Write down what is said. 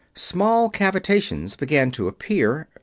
Small cavitations began to appear.